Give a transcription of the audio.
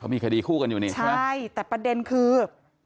เขามีคดีคู่กันอยู่นี่ใช่ไหมใช่แต่ประเด็นคือ